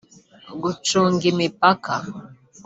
gucunga imipaka